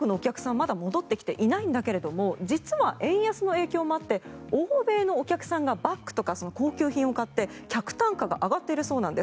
まだ戻ってきていないんだけれど実は、円安の影響もあって欧米のお客さんがバックとか高級品を買って客単価が上がっているそうなんです。